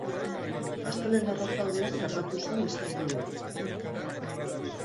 Astelehen arratsaldean gertatu zen istilua.